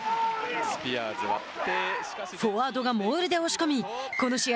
フォワードがモールで押し込みこの試合